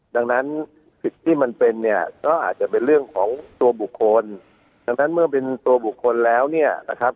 ดังนั้นสิทธิ์ที่มันเป็นเนี่ยก็อาจจะเป็นเรื่องของตัวบุคคลดังนั้นเมื่อเป็นตัวบุคคลแล้วเนี่ยนะครับ